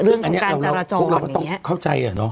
เรื่องของการจรโจมตร์แบบนี้